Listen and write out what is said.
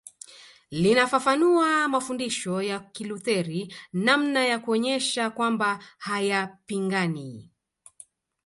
Linafafanua mafundisho ya Kilutheri namna ya kuonyesha kwamba hayapingani